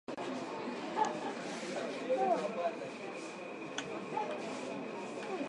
Polisi wa Zimbabwe siku ya Jumapili walikataa kutoa maoni kuhusu marufuku kwa chama huko Marondera